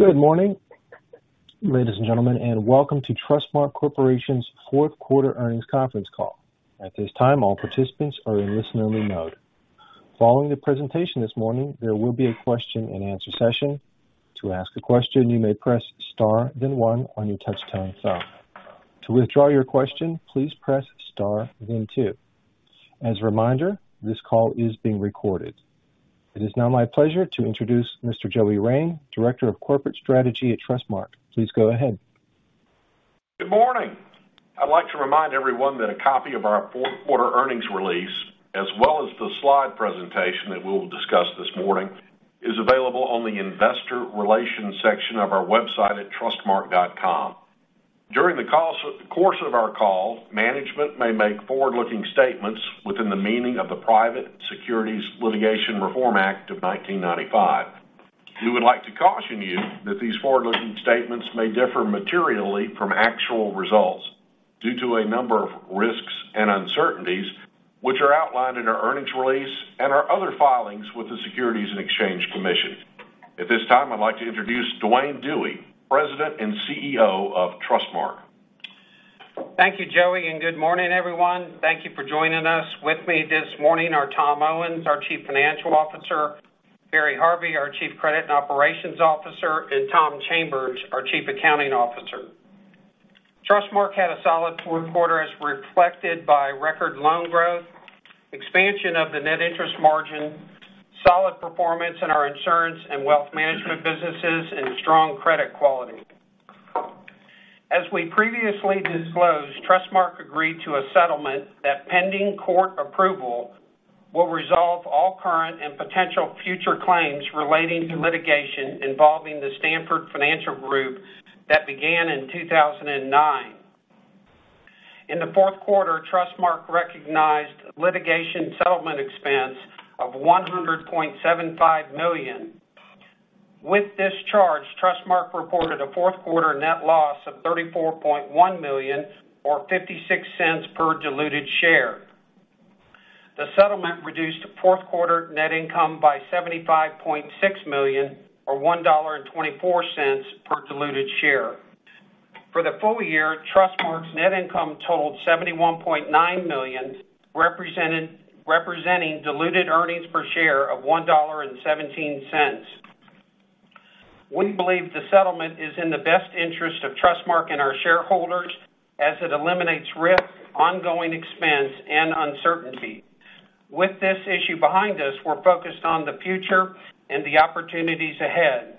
Good morning, ladies and gentlemen, and welcome to Trustmark Corporation's Fourth Quarter Earnings Conference Call. At this time, all participants are in listen only mode. Following the presentation this morning, there will be a question and answer session. To ask a question, you may press star, then one on your touchtone phone. To withdraw your question, please press star then two. As a reminder, this call is being recorded. It is now my pleasure to introduce Mr. Joey Rein, Director of Corporate Strategy at Trustmark. Please go ahead. Good morning. I'd like to remind everyone that a copy of our fourth quarter earnings release, as well as the slide presentation that we will discuss this morning, is available on the investor relations section of our website@trustmark.com. During the course of our call, management may make forward-looking statements within the meaning of the Private Securities Litigation Reform Act of 1995. We would like to caution you that these forward-looking statements may differ materially from actual results due to a number of risks and uncertainties which are outlined in our earnings release and our other filings with the Securities and Exchange Commission. At this time, I'd like to introduce Duane Dewey, President and CEO of Trustmark. Thank you, Joey. Good morning, everyone. Thank you for joining us. With me this morning are Tom Owens, our Chief Financial Officer, Barry Harvey, our Chief Credit and Operations Officer, and Tom Chambers, our Chief Accounting Officer. Trustmark had a solid fourth quarter as reflected by record loan growth, expansion of the net interest margin, solid performance in our insurance and wealth management businesses, and strong credit quality. As we previously disclosed, Trustmark agreed to a settlement that pending court approval, will resolve all current and potential future claims relating to litigation involving the Stanford Financial Group that began in 2009. In the fourth quarter, Trustmark recognized litigation settlement expense of $100.75 million. With this charge, Trustmark reported a fourth quarter net loss of $34.1 million or $0.56 per diluted share. The settlement reduced fourth quarter net income by $75.6 million or $1.24 per diluted share. For the full year, Trustmark's net income totaled $71.9 million, representing diluted earnings per share of $1.17. We believe the settlement is in the best interest of Trustmark and our shareholders as it eliminates risk, ongoing expense, and uncertainty. With this issue behind us, we're focused on the future and the opportunities ahead.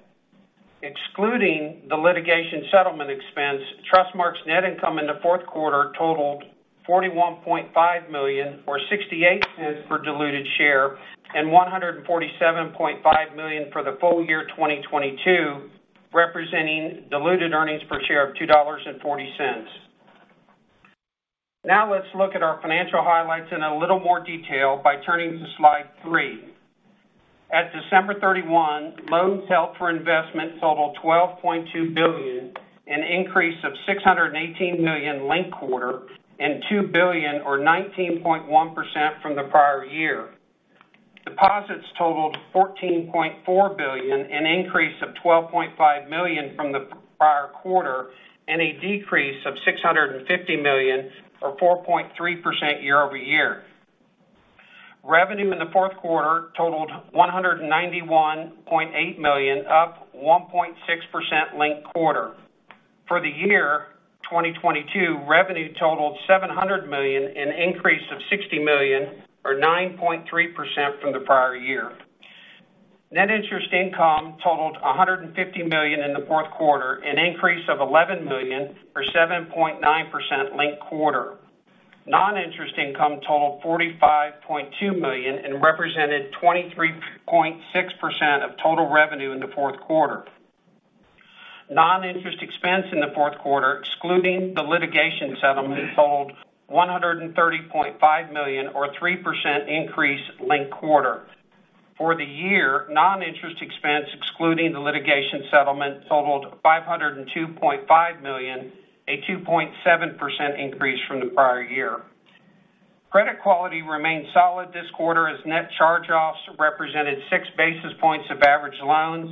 Excluding the litigation settlement expense, Trustmark's net income in the fourth quarter totaled $41.5 million or $0.68 per diluted share, and $147.5 million for the full year 2022, representing diluted earnings per share of $2.40. Let's look at our financial highlights in a little more detail by turning to slide three. At December 31, loans held for investment totaled $12.2 billion, an increase of $618 million linked quarter and $2 billion or 19.1% from the prior year. Deposits totaled $14.4 billion, an increase of $12.5 million from the prior quarter, and a decrease of $650 million or 4.3% year-over-year. Revenue in the fourth quarter totaled $191.8 million, up $1.6 million linked quarter. For the year 2022, revenue totaled $700 million, an increase of $60 million or 9.3% from the prior year. Net interest income totaled $150 million in the fourth quarter, an increase of $11 million or 7.9% linked quarter. Non-interest income totaled $45.2 million and represented 23.6% of total revenue in the fourth quarter. Non-interest expense in the fourth quarter, excluding the litigation settlement, totaled $130.5 million or 3% increase linked quarter. For the year, non-interest expense, excluding the litigation settlement, totaled $502.5 million, a 2.7% increase from the prior year. Credit quality remained solid this quarter as net charge-offs represented six basis points of average loans.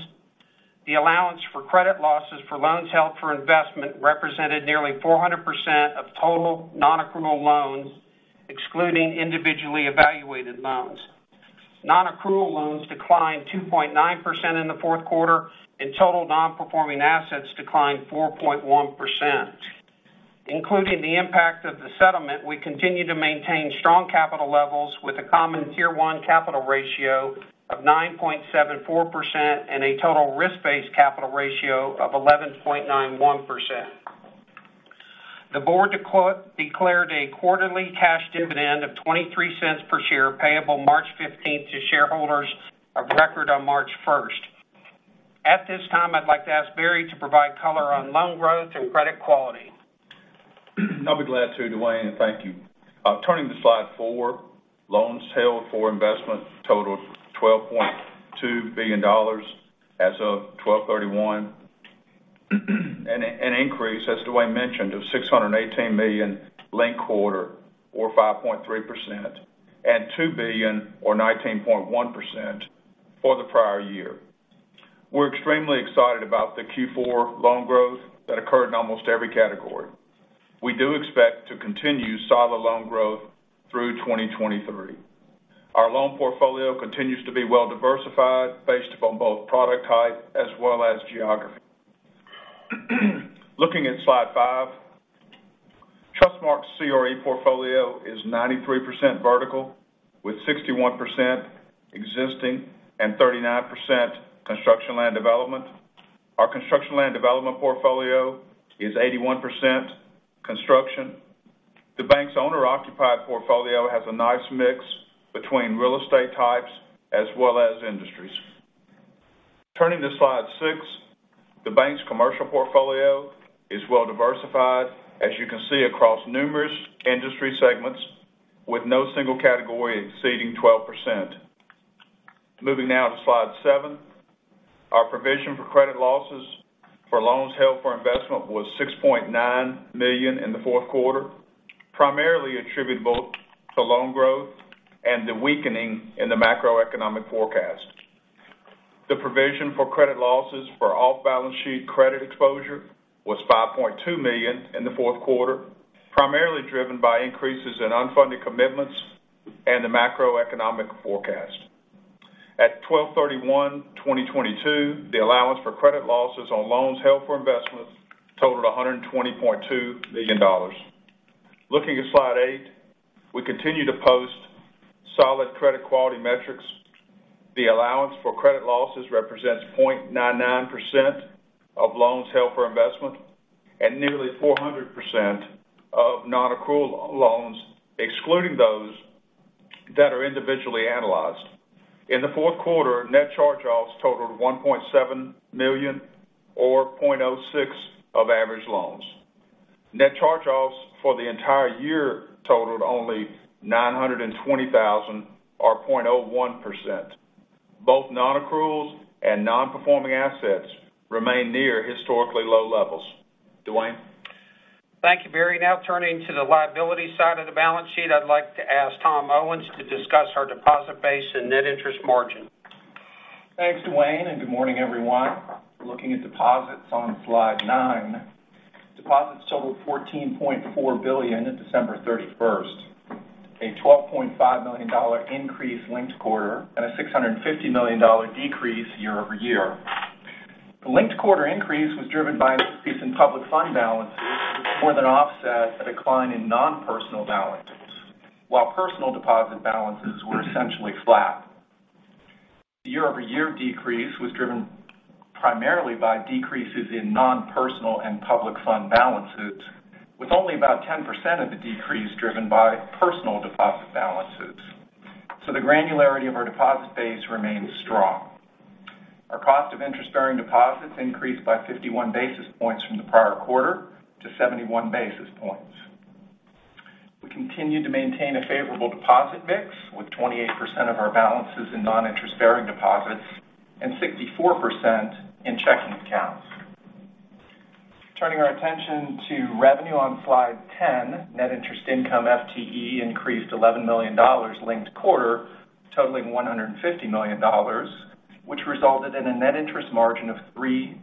The allowance for credit losses for loans held for investment represented nearly 400% of total non-accrual loans, excluding individually evaluated loans. Non-accrual loans declined 2.9% in the fourth quarter, and total non-performing assets declined 4.1%. Including the impact of the settlement, we continue to maintain strong capital levels with a Common Tier 1 capital ratio of 9.74% and a total risk-based capital ratio of 11.91%. The board declared a quarterly cash dividend of $0.23 per share payable March 15th to shareholders of record on March 1st. At this time, I'd like to ask Barry to provide color on loan growth and credit quality. I'll be glad to, Duane. Thank you. Turning to slide four, loans held for investment totaled $12.2 billion as of 12/31.Increase, as Duane mentioned, of $618 million linked quarter or 5.3%, and $2 billion or 19.1% for the prior year. We're extremely excited about the Q4 loan growth that occurred in almost every category. We do expect to continue solid loan growth through 2023.Our loan portfolio continues to be well diversified based upon both product type as well as geography. Looking at slide five, Trustmark CRE portfolio is 93% vertical, with 61% existing and 39% construction and land development. Our construction and land development portfolio is 81% construction. The bank's owner-occupied portfolio has a nice mix between real estate types as well as industries. Turning to slide six, the bank's commercial portfolio is well diversified, as you can see, across numerous industry segments, with no single category exceeding 12%. Moving now to slide seven, our provision for credit losses for loans held for investment was $6.9 million in the fourth quarter, primarily attributable to loan growth and the weakening in the macroeconomic forecast. The provision for credit losses for off-balance sheet credit exposure was $5.2 million in the fourth quarter, primarily driven by increases in unfunded commitments and the macroeconomic forecast. At 12/31/2022, the allowance for credit losses on loans held for investment totaled $120.2 million. Looking at slide eight, we continue to post solid credit quality metrics. The allowance for credit losses represents 0.99% of loans held for investment and nearly 400% of non-accrual loans, excluding those that are individually analyzed. In the fourth quarter, net charge-offs totaled $1.7 million or 0.06% of average loans. Net charge-offs for the entire year totaled only $920,000 or 0.01%. Both non-accruals and non-performing assets remain near historically low levels. Duane. Thank you, Barry. Now turning to the liability side of the balance sheet, I'd like to ask Tom Owens to discuss our deposit base and net interest margin. Thanks, Duane, good morning, everyone. Looking at deposits on slide nine. Deposits totaled $14.4 billion on December 31st, a $12.5 million increase linked-quarter and a $650 million decrease year-over-year. The linked-quarter increase was driven by an increase in public fund balances, which more than offset a decline in non-personal balances, while personal deposit balances were essentially flat. The year-over-year decrease was driven primarily by decreases in non-personal and public fund balances, with only about 10% of the decrease driven by personal deposit balances. The granularity of our deposit base remains strong. Our cost of interest-bearing deposits increased by 51 basis points from the prior quarter to 71 basis points. We continue to maintain a favorable deposit mix with 28% of our balances in non-interest-bearing deposits and 64% in checking accounts. Turning our attention to revenue on slide 10, net interest income FTE increased $11 million linked quarter, totaling $150 million, which resulted in a net interest margin of 3.66,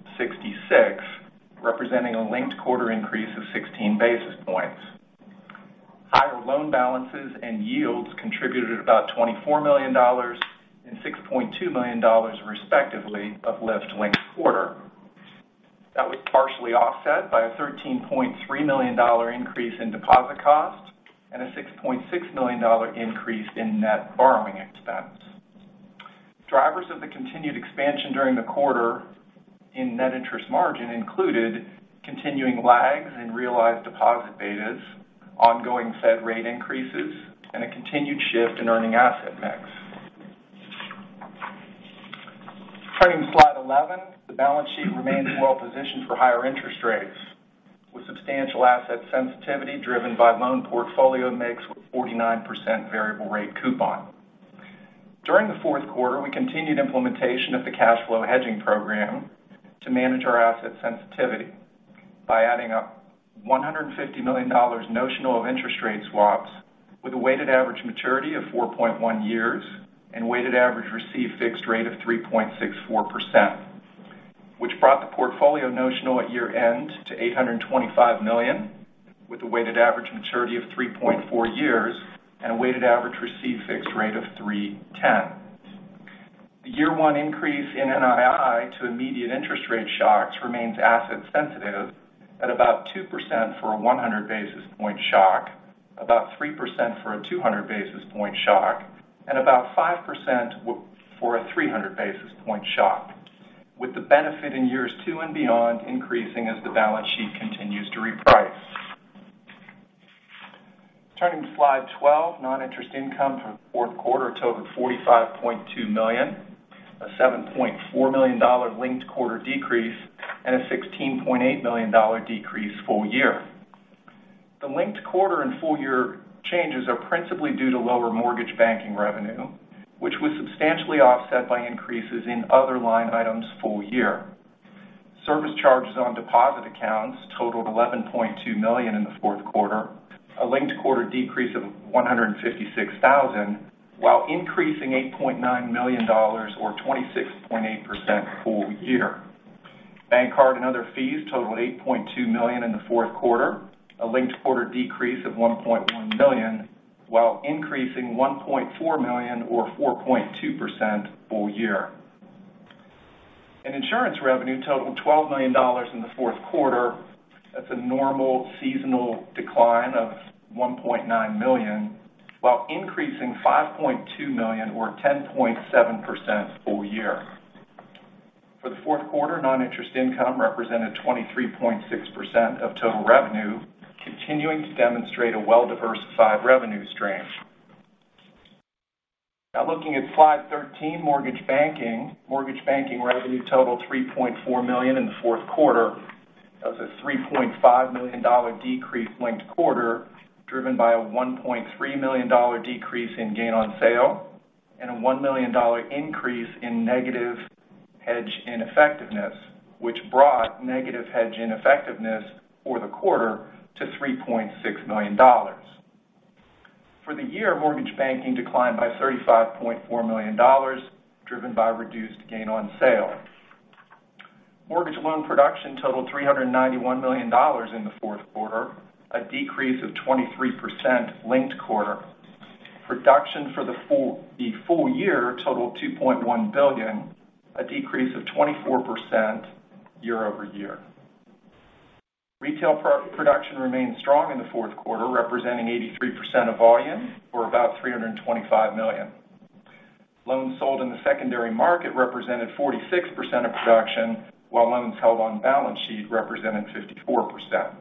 representing a linked quarter increase of 16 basis points. Higher loan balances and yields contributed about $24 million and $6.2 million, respectively, of lift linked quarter. That was partially offset by a $13.3 million increase in deposit costs and a $6.6 million increase in net borrowing expense. Drivers of the continued expansion during the quarter in net interest margin included continuing lags in realized deposit betas, ongoing Fed rate increases, and a continued shift in earning asset mix. Turning to slide 11, the balance sheet remains well positioned for higher interest rates, with substantial asset sensitivity driven by loan portfolio mix with 49% variable rate coupon. During the fourth quarter, we continued implementation of the cash flow hedging program to manage our asset sensitivity by adding up $150 million notional of interest rate swaps with a weighted average maturity of 4.1 years and weighted average received fixed rate of 3.64%, which brought the portfolio notional at year-end to $825 million, with a weighted average maturity of 3.4 years and a weighted average received fixed rate of 3.10%. The year-one increase in NII to immediate interest rate shocks remains asset sensitive at about 2% for a 100 basis point shock, about 3% for a 200 basis point shock, and about 5% for a 300 basis point shock, with the benefit in years two and beyond increasing as the balance sheet continues to reprice. Turning to slide 12, non-interest income for the fourth quarter totaled $45.2 million, a $7.4 million linked quarter decrease, and a $16.8 million decrease full year. The linked quarter and full year changes are principally due to lower mortgage banking revenue, which was substantially offset by increases in other line items full year. Service charges on deposit accounts totaled $11.2 million in the fourth quarter, a linked-quarter decrease of $156,000, while increasing $8.9 million or 26.8% full year. Bank card and other fees totaled $8.2 million in the fourth quarter, a linked-quarter decrease of $1.1 million, while increasing $1.4 million or 4.2% full year. Insurance revenue totaled $12 million in the fourth quarter. That's a normal seasonal decline of $1.9 million, while increasing $5.2 million or 10.7% full year. For the fourth quarter, non-interest income represented 23.6% of total revenue, continuing to demonstrate a well-diversified revenue stream. Now looking at slide 13, mortgage banking. Mortgage banking revenue totaled $3.4 million in the fourth quarter. That's a $3.5 million decrease linked quarter, driven by a $1.3 million decrease in gain on sale and a $1 million increase in negative hedge ineffectiveness, which brought negative hedge ineffectiveness for the quarter to $3.6 million. For the year, mortgage banking declined by $35.4 million, driven by reduced gain on sale. Mortgage loan production totaled $391 million in the fourth quarter, a decrease of 23% linked quarter. Production for the full year totaled $2.1 billion, a decrease of 24% year-over-year. Retail pro-production remained strong in the fourth quarter, representing 83% of volume, or about $325 million. Loans sold in the secondary market represented 46% of production, while loans held on balance sheet represented 54%.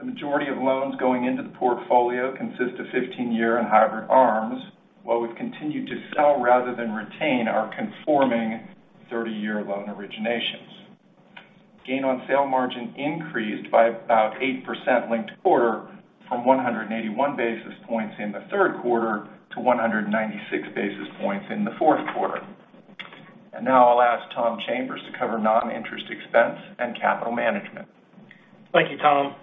The majority of loans going into the portfolio consist of 15-year and hybrid ARMs, while we've continued to sell rather than retain our conforming 30-year loan originations. Gain on sale margin increased by about 8% linked quarter from 181 basis points in the third quarter to 196 basis points in the fourth quarter. Now I'll ask Tom Chambers to cover non-interest expense and capital management. Thank you, Tom.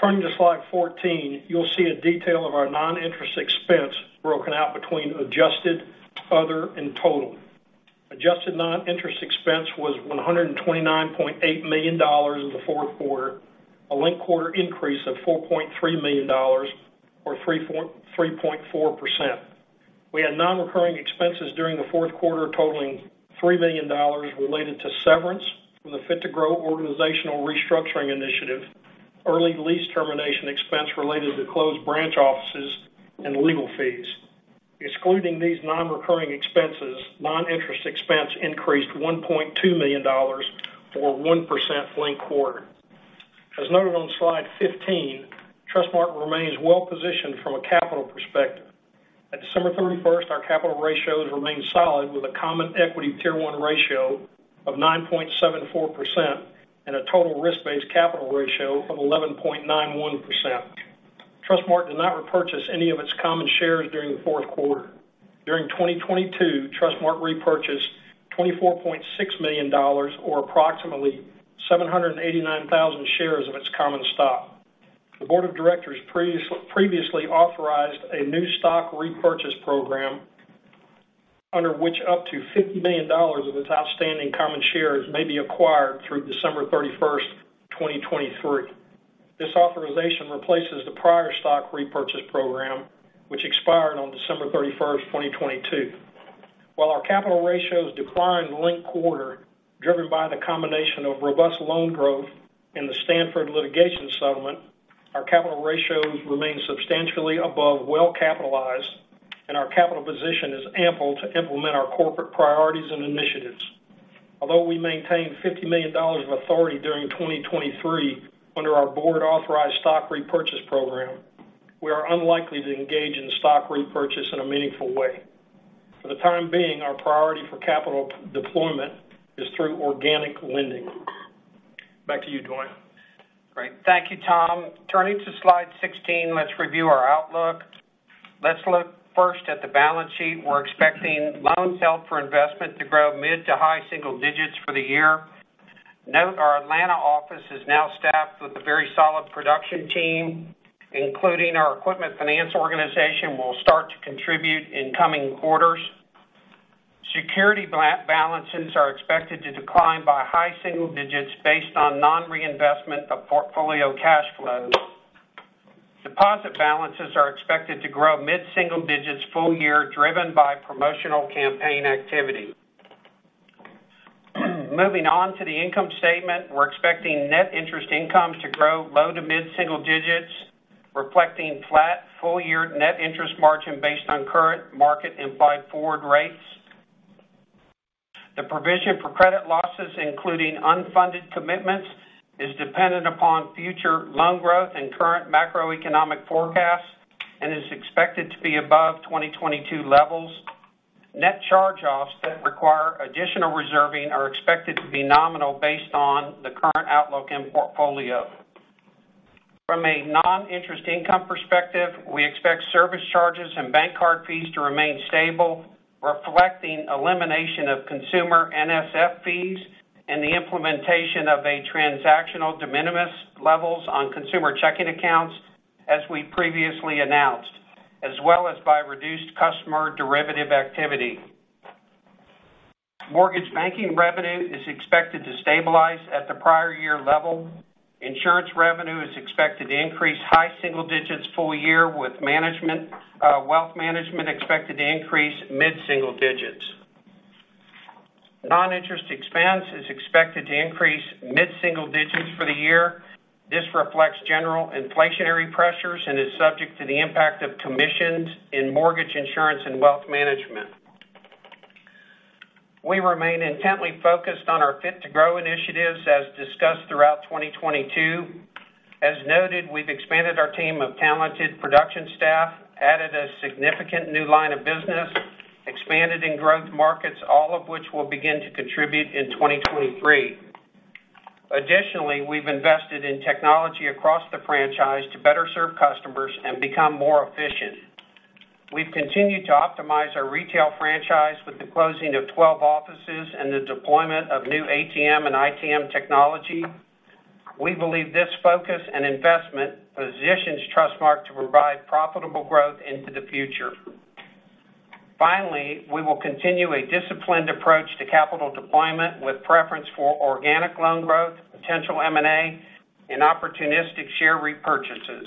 Turning to slide 14, you'll see a detail of our non-interest expense broken out between adjusted, other, and total. Adjusted non-interest expense was $129.8 million in the fourth quarter, a linked quarter increase of $4.3 million or 3.4%. We had non-recurring expenses during the fourth quarter totaling $3 million related to severance from the Fit to Grow organizational restructuring initiative, early lease termination expense related to closed branch offices, and legal fees. Excluding these non-recurring expenses, non-interest expense increased $1.2 million or 1% linked quarter. As noted on slide 15, Trustmark remains well positioned from a capital perspective. At December 31st, our capital ratios remained solid with a Common Equity Tier 1 ratio of 9.74% and a total risk-based capital ratio of 11.91%. Trustmark did not repurchase any of its common shares during the fourth quarter. During 2022, Trustmark repurchased $24.6 million or approximately 789,000 shares of its common stock. The board of directors previously authorized a new stock repurchase program under which up to $50 million of its outstanding common shares may be acquired through December 31st, 2023. This authorization replaces the prior stock repurchase program, which expired on December 31st, 2022. While our capital ratios declined linked quarter, driven by the combination of robust loan growth and the Stanford litigation settlement, our capital ratios remain substantially above well capitalized. Our capital position is ample to implement our corporate priorities and initiatives. Although we maintained $50 million of authority during 2023 under our board-authorized stock repurchase program, we are unlikely to engage in stock repurchase in a meaningful way. For the time being, our priority for capital deployment is through organic lending. Back to you, Duane. Great. Thank you, Tom. Turning to slide 16, let's review our outlook. Let's look first at the balance sheet. We're expecting loans held for investment to grow mid to high single digits for the year. Note, our Atlanta office is now staffed with a very solid production team, including our Equipment Finance organization will start to contribute in coming quarters. Security balances are expected to decline by high single digits based on non-reinvestment of portfolio cash flows. Deposit balances are expected to grow mid-single digits full year, driven by promotional campaign activity. Moving on to the income statement. We're expecting Net Interest Income to grow low to mid-single digits, reflecting flat full year net interest margin based on current market implied forward rates. The provision for credit losses, including unfunded commitments, is dependent upon future loan growth and current macroeconomic forecasts and is expected to be above 2022 levels. Net charge-offs that require additional reserving are expected to be nominal based on the current outlook and portfolio. From a non-interest income perspective, we expect service charges and bank card fees to remain stable, reflecting elimination of consumer NSF fees and the implementation of a transactional de minimis levels on consumer checking accounts, as we previously announced, as well as by reduced customer derivative activity. Mortgage banking revenue is expected to stabilize at the prior year level. Insurance revenue is expected to increase high single digits full year, with management, wealth management expected to increase mid-single digits. Non-interest expense is expected to increase mid-single digits for the year. This reflects general inflationary pressures and is subject to the impact of commissions in mortgage insurance and wealth management. We remain intently focused on our Fit-to-Grow initiatives as discussed throughout 2022. As noted, we've expanded our team of talented production staff, added a significant new line of business, expanded in growth markets, all of which will begin to contribute in 2023. We've invested in technology across the franchise to better serve customers and become more efficient. We've continued to optimize our retail franchise with the closing of 12 offices and the deployment of new ATM and ITM technology. We believe this focus and investment positions Trustmark to provide profitable growth into the future. We will continue a disciplined approach to capital deployment with preference for organic loan growth, potential M&A, and opportunistic share repurchases.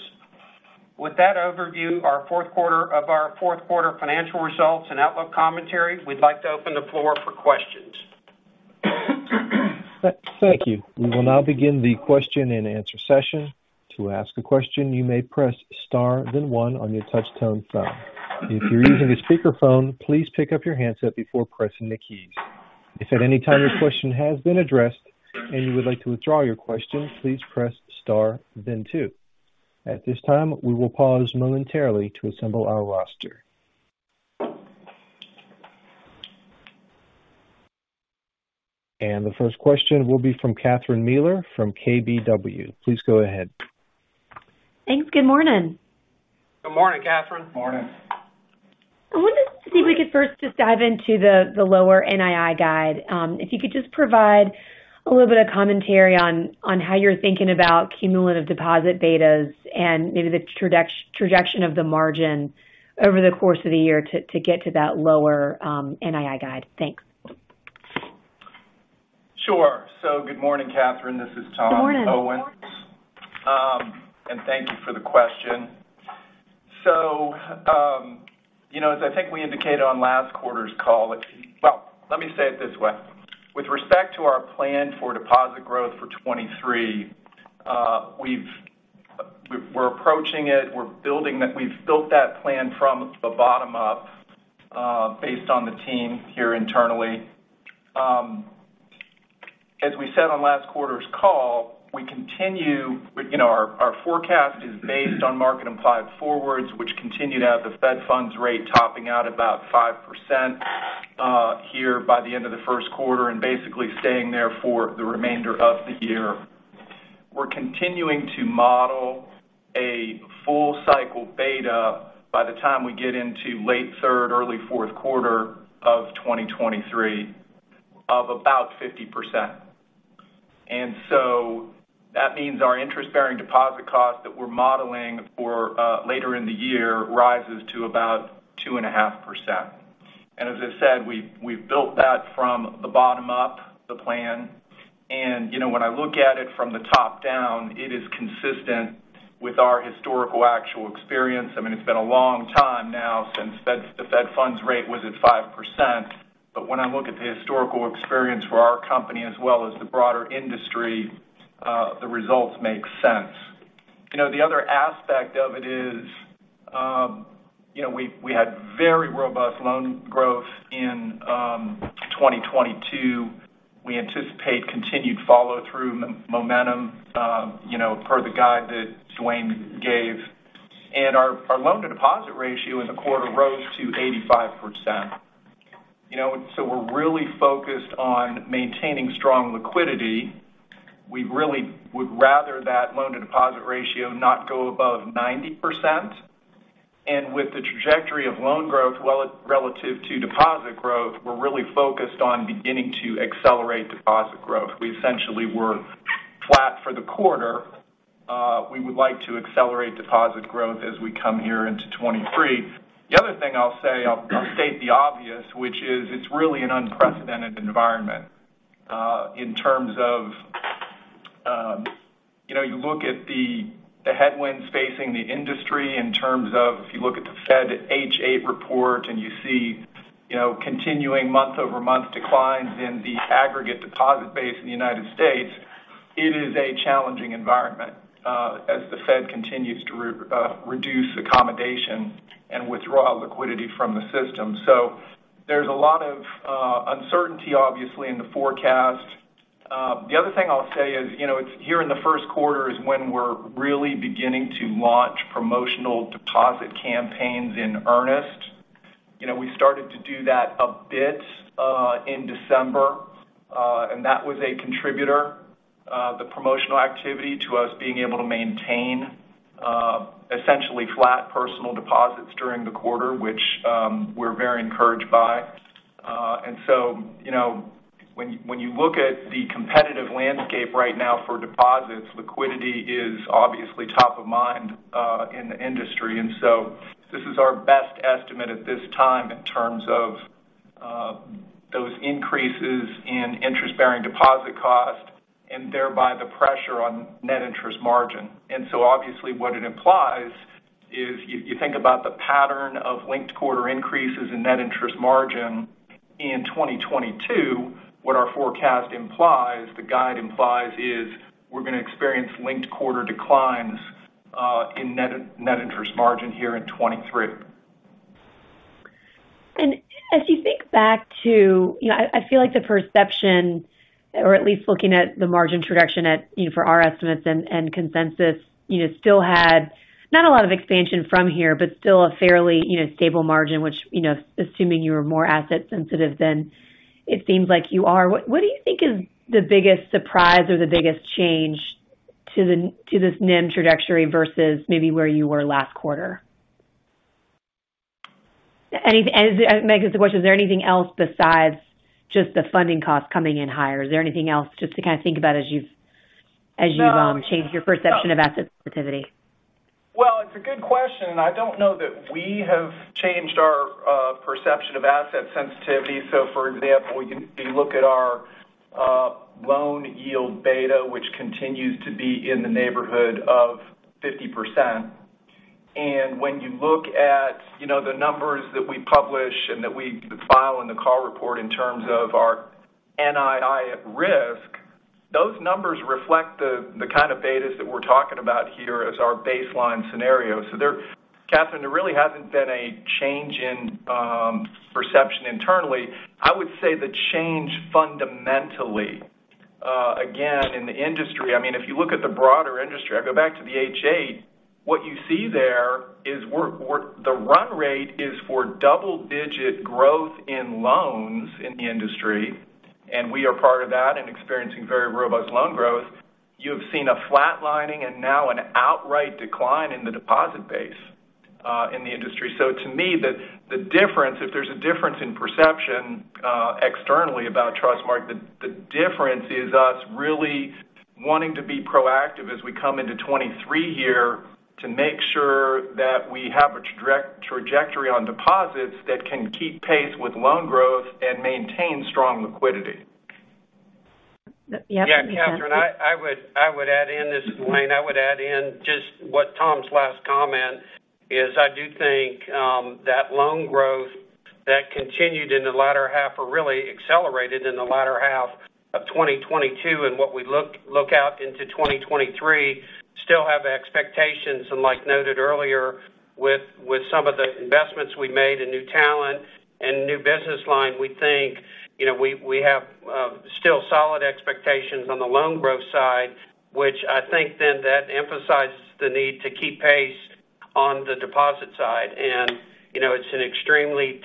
With that overview, of our fourth quarter financial results and outlook commentary, we'd like to open the floor for questions. Thank you. We will now begin the question-and-answer session. To ask a question, you may press star, then one on your touch-tone phone. If you're using a speakerphone, please pick up your handset before pressing the keys. If at any time your question has been addressed and you would like to withdraw your question, please press star then two. At this time, we will pause momentarily to assemble our roster. The first question will be from Catherine Mealor from KBW. Please go ahead. Thanks. Good morning. Good morning, Catherine Morning. I wanted to see if we could first just dive into the lower NII guide. If you could just provide a little bit of commentary on how you're thinking about cumulative deposit betas and maybe the trajection of the margin over the course of the year to get to that lower NII guide. Thanks. Sure. Good morning, Catherine. This is Tom Owens. Good morning. Thank you for the question. You know, as I think we indicated on last quarter's call, let me say it this way. With respect to our plan for deposit growth for 23, we're approaching it, we're building that. We've built that plan from the bottom up, based on the team here internally. As we said on last quarter's call, we continue, you know, our forecast is based on market implied forwards, which continue to have the Fed funds rate topping out about 5% here by the end of the first quarter and basically staying there for the remainder of the year. We're continuing to model a full cycle beta by the time we get into late third, early fourth quarter of 2023 of about 50%. That means our interest-bearing deposit cost that we're modeling for later in the year rises to about 2.5%. As I said, we've built that from the bottom up, the plan. You know, when I look at it from the top down, it is consistent with our historical actual experience. I mean, it's been a long time now since the Fed funds rate was at 5%. When I look at the historical experience for our company as well as the broader industry, the results make sense. You know, the other aspect of it is, you know, we had very robust loan growth in 2022. We anticipate continued follow-through momentum, you know, per the guide that Duane gave. Our loan-to-deposit ratio in the quarter rose to 85%. You know, we're really focused on maintaining strong liquidity. We really would rather that loan-to-deposit ratio not go above 90%. With the trajectory of loan growth relative to deposit growth, we're really focused on beginning to accelerate deposit growth. We essentially were flat for the quarter. We would like to accelerate deposit growth as we come here into 2023. The other thing I'll say, I'll state the obvious, which is it's really an unprecedented environment in terms of, you know, you look at the headwinds facing the industry in terms of if you look at the Fed H8 report and you see, you know, continuing month-over-month declines in the aggregate deposit base in the United States, it is a challenging environment as the Fed continues to reduce accommodation and withdraw liquidity from the system. There's a lot of uncertainty, obviously, in the forecast. The other thing I'll say is, you know, here in the first quarter is when we're really beginning to launch promotional deposit campaigns in earnest. You know, we started to do that a bit in December. That was a contributor, the promotional activity to us being able to maintain essentially flat personal deposits during the quarter, which, we're very encouraged by. You know, when you, when you look at the competitive landscape right now for deposits, liquidity is obviously top of mind in the industry. This is our best estimate at this time in terms of those increases in interest-bearing deposit cost and thereby the pressure on net interest margin. Obviously, what it implies is if you think about the pattern of linked quarter increases in net interest margin in 2022, what our forecast implies, the guide implies, is we're going to experience linked quarter declines, in net interest margin here in 2023. As you think back to, you know, I feel like the perception, or at least looking at the margin trajectory at, you know, for our estimates and consensus, you know, still had not a lot of expansion from here, but still a fairly, you know, stable margin, which, you know, assuming you were more asset sensitive than it seems like you are, what do you think is the biggest surprise or the biggest change to this NIM trajectory versus maybe where you were last quarter? As I make this question, is there anything else besides just the funding cost coming in higher? Is there anything else just to kind of think about as you've changed your perception of asset sensitivity? It's a good question. I don't know that we have changed our perception of asset sensitivity. For example, if you look at our loan yield beta, which continues to be in the neighborhood of 50%. When you look at, you know, the numbers that we publish and that we file in the call report in terms of our NII at risk, those numbers reflect the kind of betas that we're talking about here as our baseline scenario. Katherine, there really hasn't been a change in perception internally. I would say the change fundamentally, again, in the industry, I mean, if you look at the broader industry, I go back to the H8, what you see there is we're the run rate is for double-digit growth in loans in the industry, and we are part of that and experiencing very robust loan growth. You have seen a flat lining and now an outright decline in the deposit base in the industry. To me, the difference, if there's a difference in perception, externally about Trustmark, the difference is us really wanting to be proactive as we come into 2023 here to make sure that we have a direct trajectory on deposits that can keep pace with loan growth and maintain strong liquidity. Yeah. Yeah, Catherine, I would, I would add in this lane. I would add in just what Tom's last comment is. I do think that loan growth that continued in the latter half or really accelerated in the latter half of 2022 and what we look out into 2023 still have expectations. Like noted earlier with some of the investments we made in new talent and new business line, we think, you know, we have still solid expectations on the loan growth side, which I think then that emphasizes the need to keep pace on the deposit side. You know, it's an extremely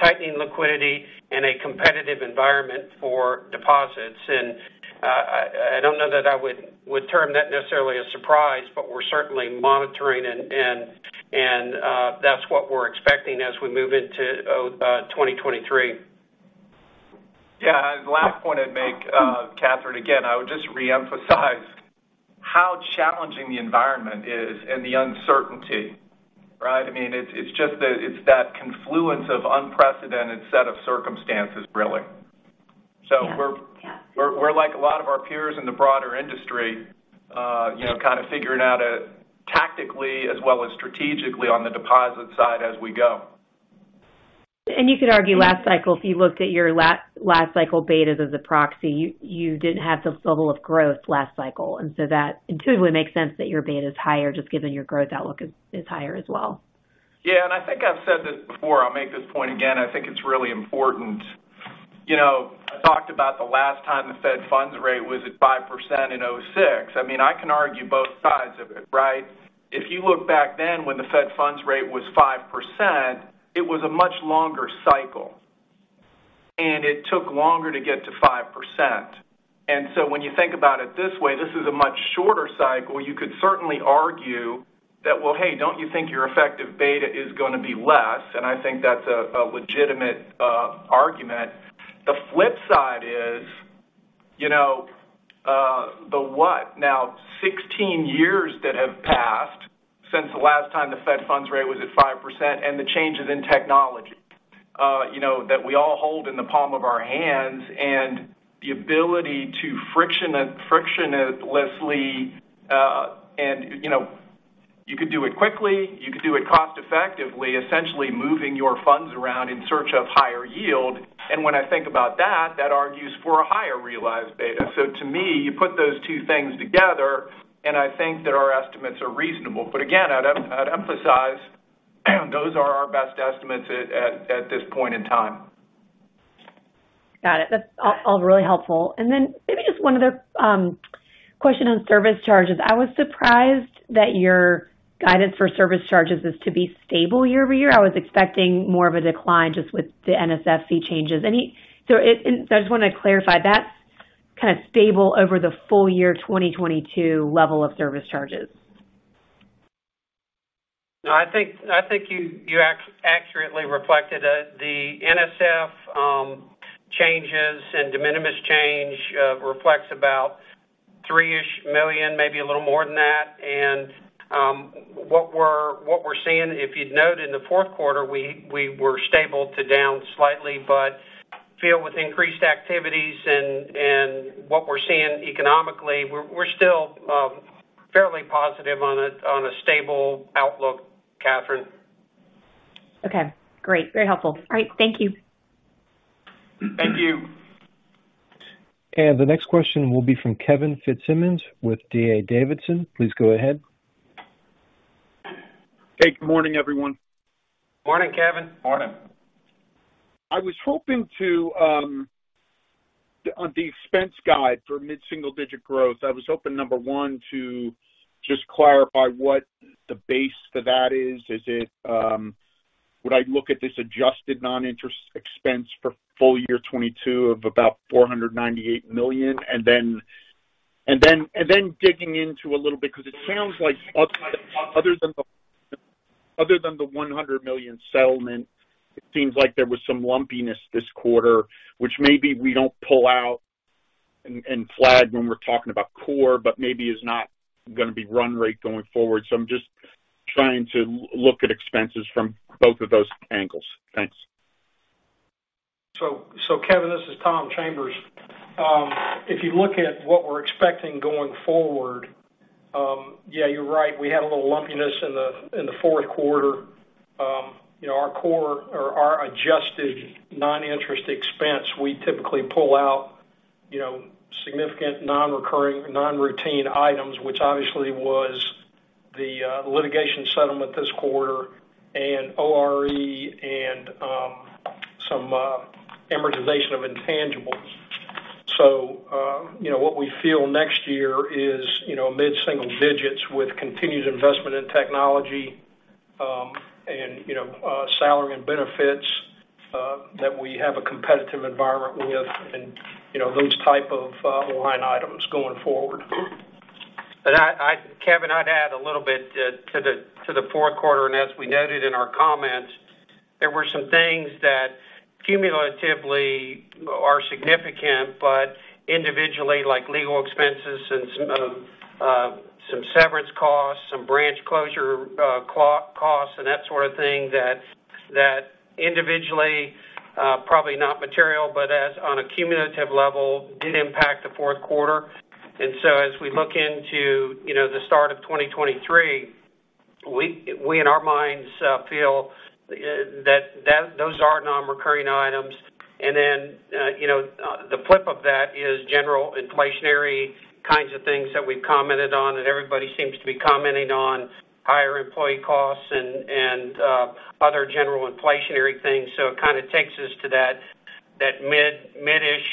tightening liquidity in a competitive environment for deposits.I don't know that I would term that necessarily a surprise, but we're certainly monitoring and, that's what we're expecting as we move into 2023. Yeah. The last point I'd make, Katherine, again, I would just re-emphasize how challenging the environment is and the uncertainty, right? I mean, it's just that it's that confluence of unprecedented set of circumstances, really. Yeah. we're- Yeah. We're like a lot of our peers in the broader industry, you know, kind of figuring out tactically as well as strategically on the deposit side as we go. You could argue last cycle, if you looked at your last cycle betas as a proxy, you didn't have the level of growth last cycle. That intuitively makes sense that your beta is higher just given your growth outlook is higher as well. Yeah. I think I've said this before. I'll make this point again. I think it's really important. You know, I talked about the last time the Fed funds rate was at 5% in 2006. I mean, I can argue both sides of it, right? If you look back then when the Fed funds rate was 5%, it was a much longer cycle, and it took longer to get to 5%. When you think about it this way, this is a much shorter cycle. You could certainly argue that, well, hey, don't you think your effective beta is going to be less? I think that's a legitimate argument. The flip side is, you know, the what now 16 years that have passed since the last time the Fed funds rate was at 5% and the changes in technology, you know, that we all hold in the palm of our hands and the ability to frictionlessly, and, you know, you could do it quickly, you could do it cost effectively, essentially moving your funds around in search of higher yield. When I think about that argues for a higher realized beta. To me, you put those two things together, and I think that our estimates are reasonable. Again, I'd emphasize. estimates at this point in time. Got it. That's all really helpful. Maybe just one other question on service charges. I was surprised that your guidance for service charges is to be stable year-over-year. I was expecting more of a decline just with the NSFC changes. I just want to clarify, that's kind of stable over the full year 2022 level of service charges? No, I think you accurately reflected the NSF changes and de minimis change reflects about $3-ish million, maybe a little more than that. What we're seeing, if you'd noted in the fourth quarter, we were stable to down slightly, but feel with increased activities and what we're seeing economically, we're still fairly positive on a stable outlook, Catherine. Okay. Great. Very helpful. All right. Thank you. Thank you. The next question will be from Kevin Fitzsimmons with D.A. Davidson. Please go ahead. Hey, good morning, everyone. Morning, Kevin. Morning. I was hoping to, on the expense guide for mid-single-digit growth, I was hoping, number one, to just clarify what the base for that is. Is it, would I look at this adjusted non-interest expense for full year 2022 of about $498 million? Then digging into a little bit because it sounds like other than the $100 million settlement, it seems like there was some lumpiness this quarter, which maybe we don't pull out and flag when we're talking about core, but maybe is not going to be run rate going forward. I'm just trying to look at expenses from both of those angles. Thanks. Kevin, this is Tom Chambers. If you look at what we're expecting going forward, yeah, you're right. We had a little lumpiness in the fourth quarter. You know, our core or our adjusted non-interest expense, we typically pull out, you know, significant non-recurring, non-routine items, which obviously was the litigation settlement this quarter and ORE and some amortization of intangibles. You know, what we feel next year is, you know, mid-single digits with continued investment in technology, and, you know, salary and benefits that we have a competitive environment with and, you know, those type of line items going forward. Kevin, I'd add a little bit to the fourth quarter. As we noted in our comments, there were some things that cumulatively are significant, but individually, like legal expenses and some severance costs, some branch closure costs and that sort of thing that individually, probably not material, but on a cumulative level did impact the fourth quarter. As we look into, you know, the start of 2023, we in our minds, feel that those are non-recurring items. Then, you know, the flip of that is general inflationary kinds of things that we've commented on and everybody seems to be commenting on higher employee costs and other general inflationary things. It kind of takes us to that mid-ish,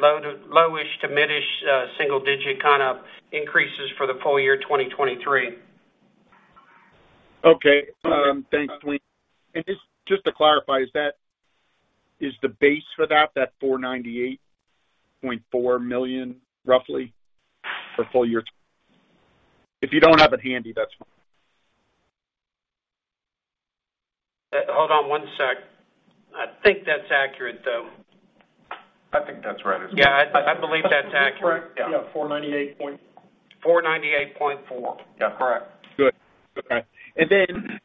low-ish to mid-ish, single-digit kind of increases for the full year 2023. Okay. Thanks, Glenn. Just to clarify, is the base for that $498.4 million roughly for full year? If you don't have it handy, that's fine. Hold on one sec. I think that's accurate, though. I think that's right as well. Yeah. I believe that's accurate. Yeah. $498.... $498.4. Yeah. Correct. Good. Okay. Then,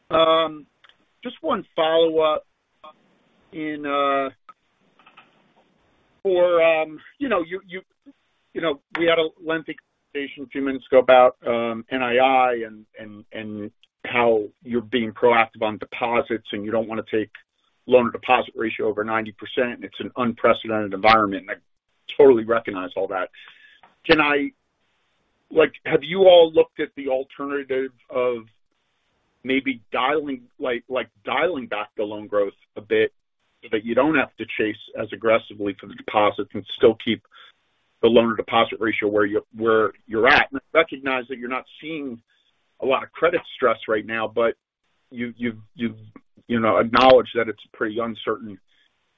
just one follow-up in for you know, we had a lengthy conversation a few minutes ago about NII and how you're being proactive on deposits, and you don't want to take loan to deposit ratio over 90%. It's an unprecedented environment, I totally recognize all that. Like, have you all looked at the alternative of maybe dialing, like dialing back the loan growth a bit so that you don't have to chase as aggressively for the deposits and still keep the loan to deposit ratio where you're, where you're at? I recognize that you're not seeing a lot of credit stress right now, but you've, you know, acknowledged that it's a pretty uncertain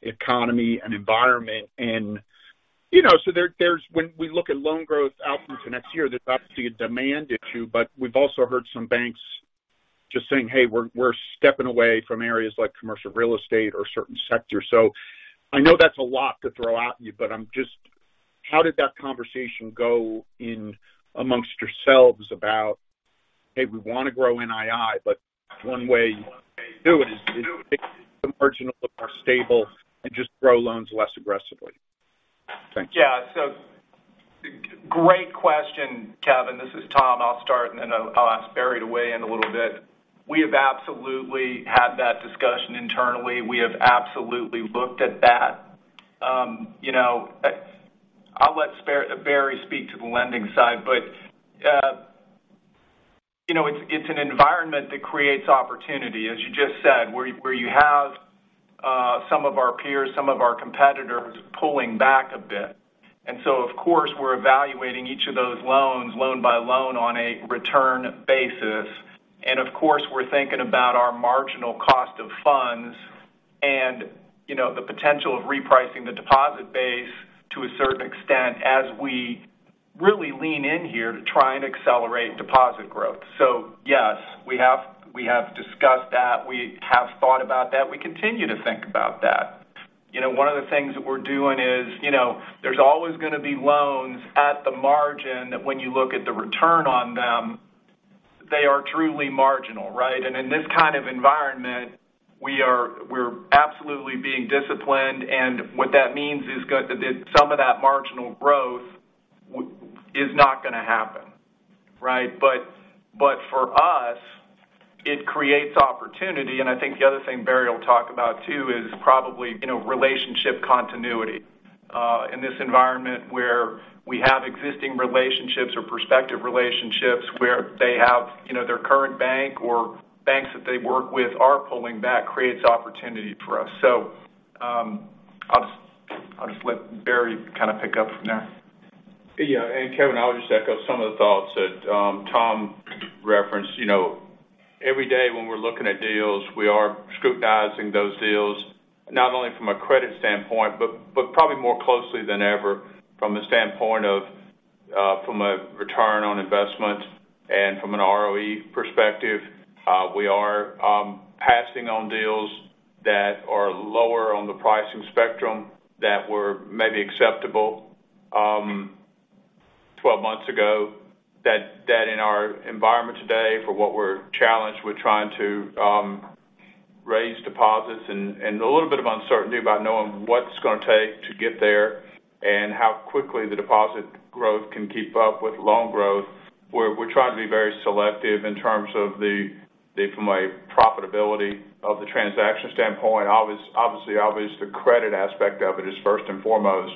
economy and environment. You know, so there's when we look at loan growth outlook for next year, there's obviously a demand issue, but we've also heard some banks just saying, "Hey, we're stepping away from areas like commercial real estate or certain sectors." I know that's a lot to throw at you, but I'm just how did that conversation go in amongst yourselves about, hey, we want to grow NII, but one way to do it is to make the marginal look more stable and just grow loans less aggressively. Thanks. Yeah. Great question, Kevin. This is Tom. I'll start and then I'll ask Barry to weigh in a little bit. We have absolutely had that discussion internally. We have absolutely looked at that. you know, Barry speak to the lending side, but, you know, it's an environment that creates opportunity, as you just said, where you have some of our peers, some of our competitors pulling back a bit. Of course, we're evaluating each of those loans loan by loan on a return basis. Of course, we're thinking about our marginal cost of funds and, you know, the potential of repricing the deposit base to a certain extent as we really lean in here to try and accelerate deposit growth. Yes, we have discussed that. We have thought about that. We continue to think about that. You know, one of the things that we're doing is, you know, there's always going to be loans at the margin that when you look at the return on them, they are truly marginal, right? In this kind of environment, we're absolutely being disciplined, and what that means is some of that marginal growth is not going to happen, right? For us, it creates opportunity. I think the other thing Barry will talk about too is probably, you know, relationship continuity. In this environment where we have existing relationships or prospective relationships where they have, you know, their current bank or banks that they work with are pulling back, creates opportunity for us. I'll just let Barry kind of pick up from there. Kevin, I'll just echo some of the thoughts that Tom referenced. You know, every day when we're looking at deals, we are scrutinizing those deals not only from a credit standpoint, but probably more closely than ever from a standpoint of from a return on investment and from an ROE perspective. We are passing on deals that are lower on the pricing spectrum that were maybe acceptable 12 months ago that in our environment today, for what we're challenged, we're trying to raise deposits and a little bit of uncertainty about knowing what it's going to take to get there and how quickly the deposit growth can keep up with loan growth. We're trying to be very selective in terms of the from a profitability of the transaction standpoint. Obviously, obvious the credit aspect of it is first and foremost.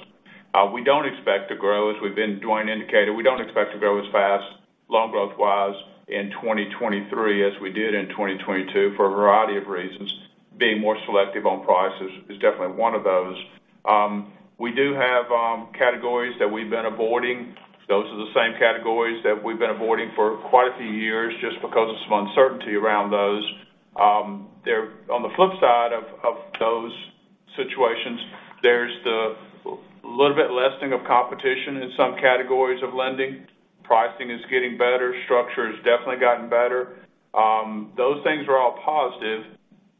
We don't expect to grow as we've been doing indicator. We don't expect to grow as fast loan growth-wise in 2023 as we did in 2022 for a variety of reasons. Being more selective on price is definitely one of those. We do have categories that we've been avoiding. Those are the same categories that we've been avoiding for quite a few years just because of some uncertainty around those. on the flip side of those situations, there's the little bit lessening of competition in some categories of lending. Pricing is getting better. Structure has definitely gotten better. Those things are all positive,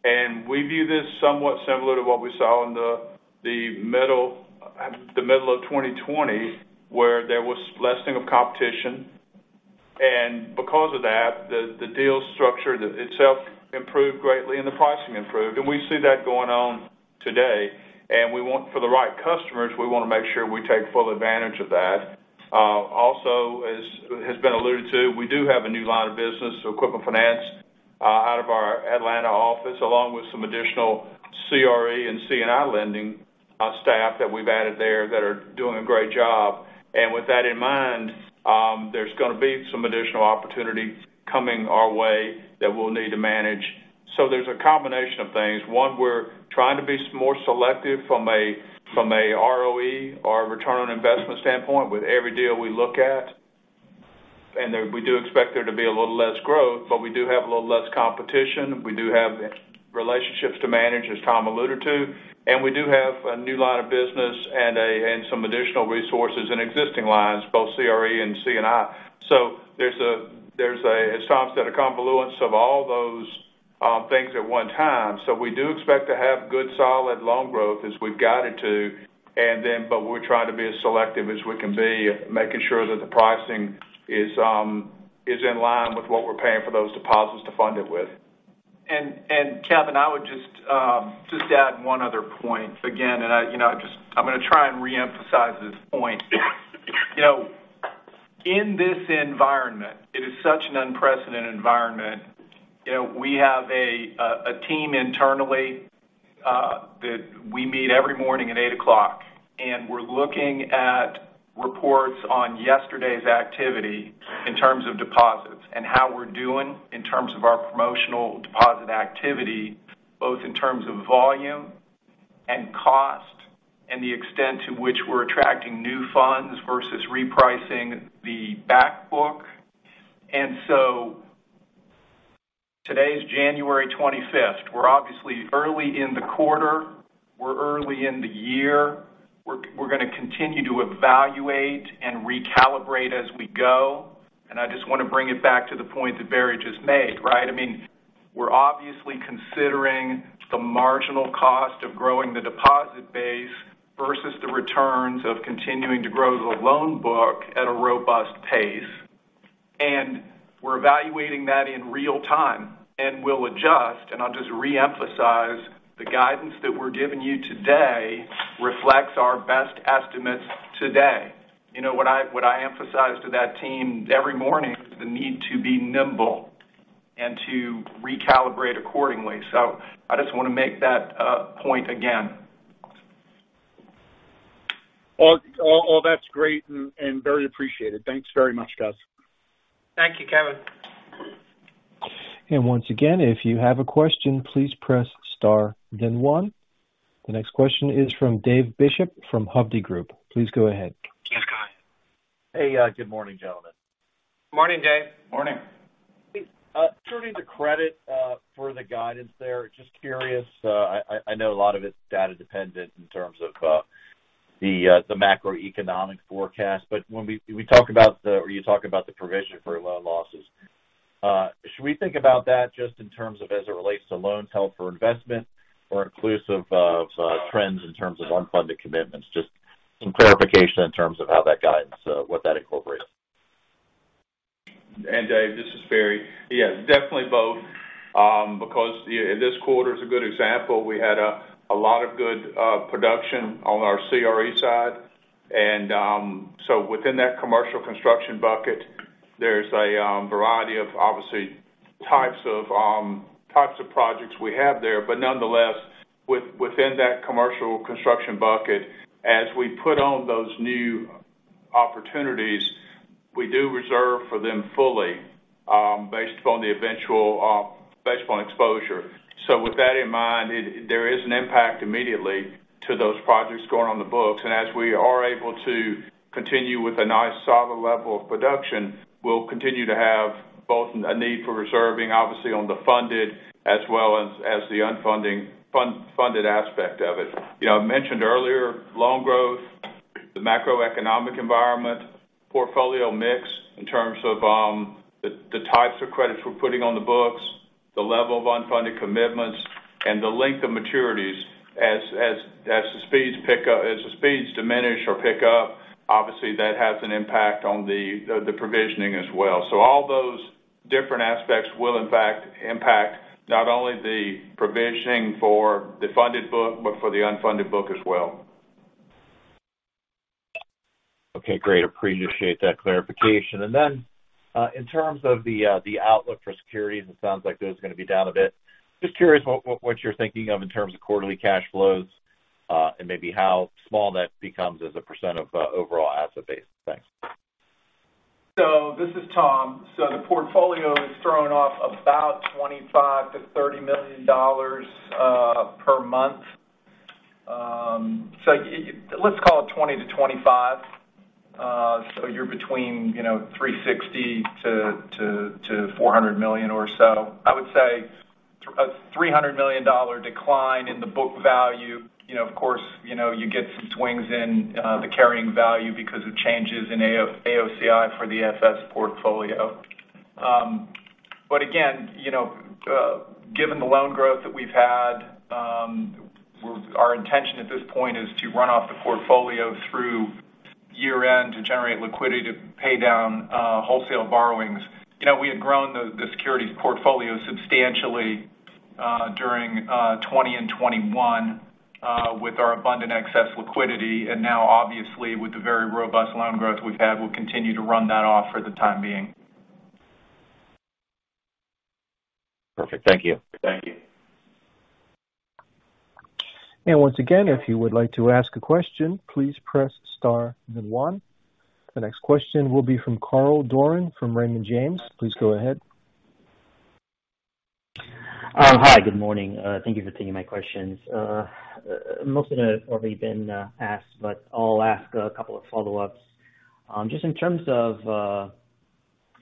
and we view this somewhat similar to what we saw in the middle of 2020, where there was lessening of competition. Because of that, the deal structure itself improved greatly and the pricing improved. We see that going on today. We want, for the right customers, we want to make sure we take full advantage of that. Also, as has been alluded to, we do have a new line of business, so Equipment Finance, out of our Atlanta office, along with some additional CRE and C&I lending, staff that we've added there that are doing a great job. With that in mind, there's going to be some additional opportunity coming our way that we'll need to manage. There's a combination of things. One, we're trying to be more selective from a ROE or a return on investment standpoint with every deal we look at. We do expect there to be a little less growth, but we do have a little less competition. We do have relationships to manage, as Tom alluded to. We do have a new line of business and some additional resources in existing lines, both CRE and C&I. There's a, as Tom said, a confluence of all those things at one time. We do expect to have good, solid loan growth as we've guided to. But we're trying to be as selective as we can be, making sure that the pricing is in line with what we're paying for those deposits to fund it with. Kevin, I would just add one other point again, and I, you know, I'm going to try and reemphasize this point. You know, in this environment, it is such an unprecedented environment. You know, we have a, a team internally that we meet every morning at 8:00 A.M., and we're looking at reports on yesterday's activity in terms of deposits and how we're doing in terms of our promotional deposit activity, both in terms of volume and cost and the extent to which we're attracting new funds versus repricing the back book. Today is January 25th. We're obviously early in the quarter. We're early in the year. We're going to continue to evaluate and recalibrate as we go. I just want to bring it back to the point that Barry just made, right? I mean, we're obviously considering the marginal cost of growing the deposit base versus the returns of continuing to grow the loan book at a robust pace. We're evaluating that in real time, and we'll adjust. I'll just reemphasize the guidance that we're giving you today reflects our best estimates today. You know, what I emphasize to that team every morning is the need to be nimble and to recalibrate accordingly. I just want to make that point again. All that's great and very appreciated. Thanks very much, guys. Thank you, Kevin. Once again, if you have a question, please press star then one. The next question is from David Bishop from Hovde Group. Please go ahead. Yes, guy. Hey, good morning, gentlemen. Morning, Dave. Morning. Turning to credit, for the guidance there. Just curious, I know a lot of it's data dependent in terms of the macroeconomic forecast, but when you talk about the provision for loan losses, should we think about that just in terms of as it relates to loans held for investment or inclusive of trends in terms of unfunded commitments? Just some clarification in terms of how that guidance what that incorporates. Dave, this is Barry. Yes, definitely both. Because this quarter is a good example. We had a lot of good production on our CRE side. So within that commercial construction bucket, there's a variety of obviously types of projects we have there. But nonetheless, within that commercial construction bucket, as we put on those new opportunities, we do reserve for them fully, based upon the eventual, based upon exposure. With that in mind, there is an impact immediately to those projects going on the books. As we are able to continue with a nice solid level of production, we'll continue to have both a need for reserving obviously on the funded as well as the funded aspect of it. You know, I mentioned earlier, loan growth, the macroeconomic environment, portfolio mix in terms of the types of credits we're putting on the books, the level of unfunded commitments and the length of maturities. As the speeds diminish or pick up, obviously that has an impact on the provisioning as well. All those different aspects will, in fact, impact not only the provisioning for the funded book, but for the unfunded book as well. Okay, great. Appreciate that clarification. Then, in terms of the outlook for securities, it sounds like those are going to be down a bit. Just curious what you're thinking of in terms of quarterly cash flows, and maybe how small that becomes as a % of, overall asset base. Thanks. This is Tom. The portfolio is throwing off about $25 million-$30 million per month. Let's call it $20 million-$25 million. You're between, you know, $360 million-$400 million or so. I would say a $300 million decline in the book value. You know, of course, you know, you get some swings in the carrying value because of changes in AOCI for the FS portfolio. Again, you know, given the loan growth that we've had, our intention at this point is to run off the portfolio through year-end to generate liquidity to pay down wholesale borrowings. You know, we had grown the securities portfolio substantially during 2020 and 2021 with our abundant excess liquidity. Now, obviously with the very robust loan growth we've had, we'll continue to run that off for the time being. Perfect. Thank you. Thank you. Once again, if you would like to ask a question, please press star then one. The next question will be from Carl Doirin from Raymond James. Please go ahead. Hi, good morning. Thank you for taking my questions. Most of them have already been asked, but I'll ask a couple of follow-ups. Just in terms of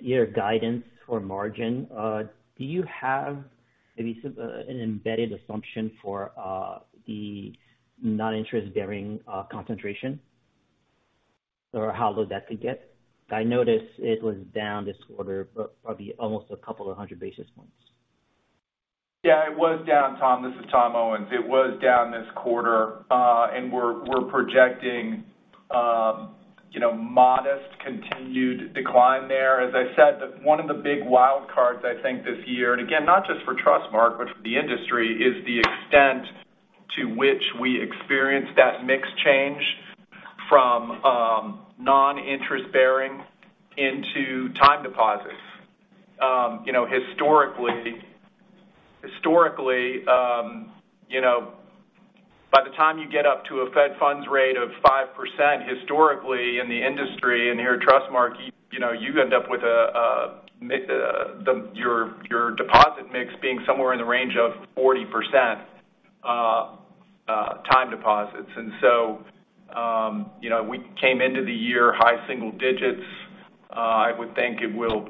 your guidance for margin, do you have maybe an embedded assumption for the non-interest-bearing concentration or how low that could get? I noticed it was down this quarter, but probably almost a couple of 100 basis points. Yeah, it was down, Tom. This is Tom Owens. It was down this quarter. We're projecting, you know, modest continued decline there. As I said, one of the big wild cards, I think this year, not just for Trustmark, but for the industry, is the extent to which we experience that mix change from non-interest-bearing into time deposits. You know, historically, you know, by the time you get up to a Fed funds rate of 5% historically in the industry and here at Trustmark, you know, you end up with a your deposit mix being somewhere in the range of 40% time deposits. You know, we came into the year high single digits. ill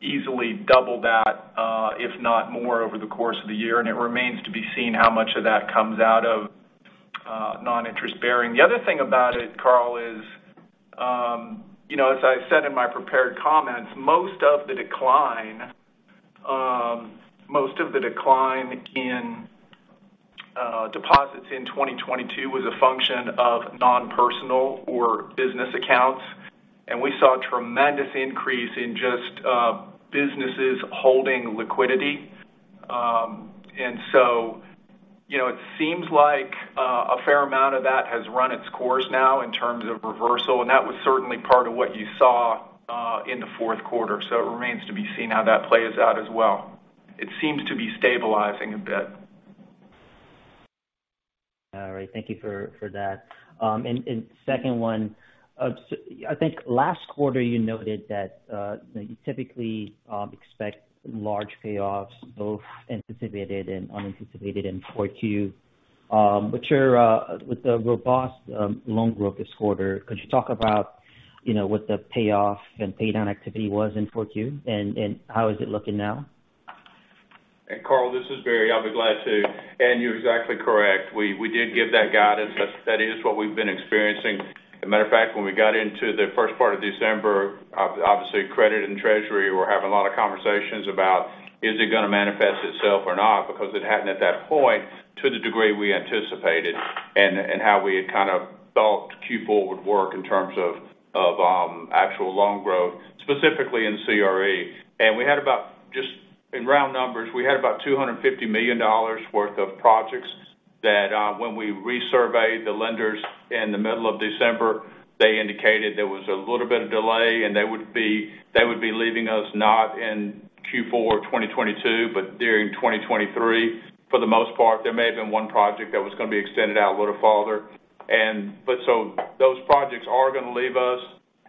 easily double that, if not more over the course of the year. It remains to be seen how much of that comes out of non-interest-bearing. The other thing about it, Carl, is, you know, as I said in my prepared comments, most of the decline, most of the decline in deposits in 2022 was a function of non-personal or business accounts. We saw a tremendous increase in just businesses holding liquidity. You know, it seems like a fair amount of that has run its course now in terms of reversal, and that was certainly part of what you saw in the fourth quarter. It remains to be seen how that plays out as well. It seems to be stabilizing a bit All right. Thank you for that. Second one, I think last quarter you noted that you typically expect large payoffs, both anticipated and unanticipated in 4Q. You're with the robust loan growth this quarter, could you talk about, you know, what the payoff and pay down activity was in 4Q and how is it looking now? Carl, this is Barry. I'll be glad to. You're exactly correct. We did give that guidance. That is what we've been experiencing. A matter of fact, when we got into the first part of December, obviously credit and treasury were having a lot of conversations about is it gonna manifest itself or not? Because it hadn't, at that point, to the degree we anticipated and how we had kind of thought Q4 would work in terms of actual loan growth, specifically in CRE. We had about just... In round numbers, we had about $250 million worth of projects that, when we resurveyed the lenders in the middle of December, they indicated there was a little bit of delay and they would be leaving us not in Q4 of 2022, but during 2023 for the most part. There may have been one project that was gonna be extended out a little farther. Those projects are gonna leave us,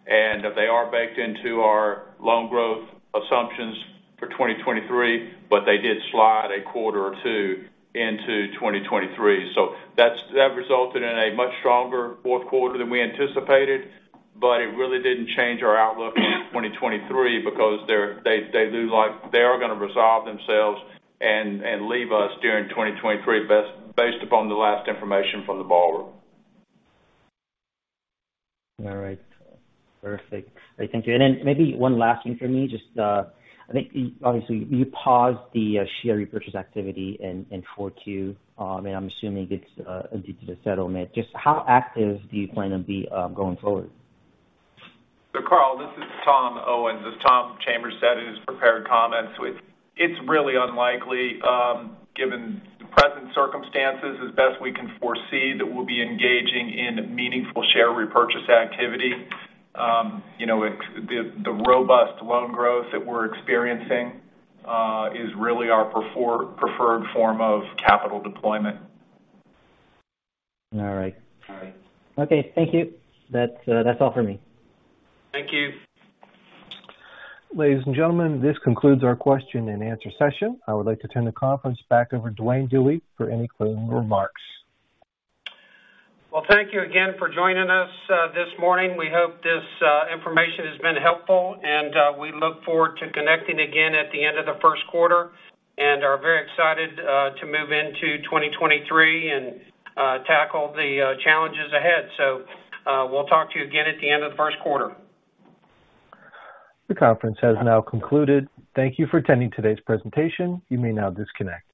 and they are baked into our loan growth assumptions for 2023, but they did slide a quarter or two into 2023. That resulted in a much stronger fourth quarter than we anticipated. it really didn't change our outlook in 2023 because they are gonna resolve themselves and leave us during 2023, based upon the last information from the borrower. All right. Perfect. Thank you. Then maybe one last thing for me, just, I think obviously you paused the share repurchase activity in 4Q. I'm assuming it's due to the settlement. Just how active do you plan to be, going forward? Carl, this is Tom Owens. As Tom Chambers said in his prepared comments, it's really unlikely, given the present circumstances, as best we can foresee, that we'll be engaging in meaningful share repurchase activity. You know, the robust loan growth that we're experiencing is really our preferred form of capital deployment. All right. All right. Okay. Thank you. That's, that's all for me. Thank you. Ladies and gentlemen, this concludes our question and answer session. I would like to turn the conference back over to Duane Dewey for any closing remarks. Well, thank you again for joining us, this morning. We hope this information has been helpful, and we look forward to connecting again at the end of the first quarter and are very excited to move into 2023 and tackle the challenges ahead. We'll talk to you again at the end of the first quarter. The conference has now concluded. Thank you for attending today's presentation. You may now disconnect.